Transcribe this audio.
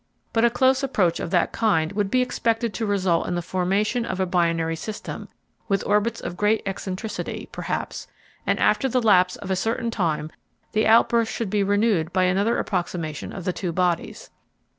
But a close approach of that kind would be expected to result in the formation of a binary system, with orbits of great eccentricity, perhaps, and after the lapse of a certain time the outburst should be renewed by another approximation of the two bodies.